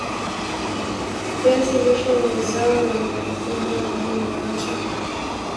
viazi lishe ni zao linalopendwa zaidi na watu